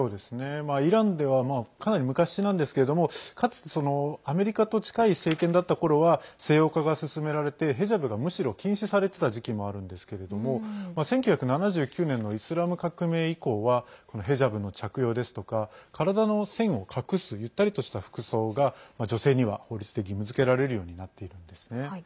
イランではかなり昔なんですけれどもかつてアメリカと近い政権だったころは西洋化が進められてヘジャブがむしろ禁止されていた時期もあるんですけれども１９７９年のイスラム革命以降はヘジャブの着用ですとか体の線を隠すゆったりとした服装が女性には法律で義務付けられるようになっているんですね。